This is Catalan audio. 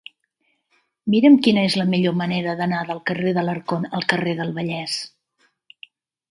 Mira'm quina és la millor manera d'anar del carrer d'Alarcón al carrer del Vallès.